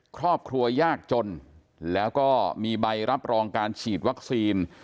ครอบครัวยากจนแล้วก็มีใบรับรองการฉีดวัคซีน